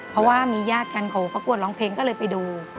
เพราะว่ามีญาติกันเขาประกวดร้องเพลงก็เลยไปดู